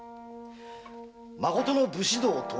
まことの武士道とは。